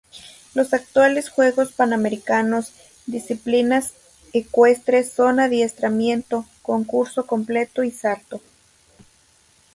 Los actuales Juegos Panamericanos disciplinas ecuestres son Adiestramiento, Concurso Completo y Salto.